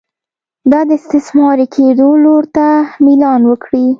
دا د استثماري کېدو لور ته میلان وکړي.